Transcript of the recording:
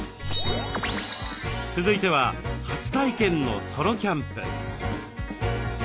続いては初体験のソロキャンプ。